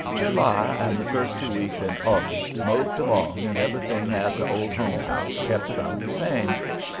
July and the first two weeks in August moped along and everything at the Old Home House kept about the same.